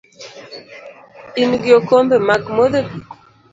Ingi okombe mag modho pi?